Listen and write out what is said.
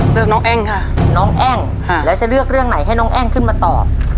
เลือกน้องแอ้งค่ะน้องแอ้งแล้วจะเลือกเรื่องไหนให้น้องแอ้งขึ้นมาตอบ